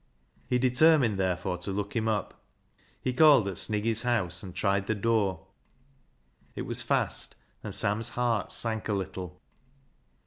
He determined, therefore, to look him up. He called at Sniggy's house, and tried the door. It was fast, and Sam's heart sank a little.